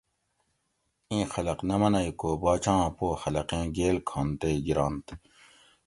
ایں خلق نہ منگ کو باچا آں پو خلقیں گیل کھُن تے گیرونت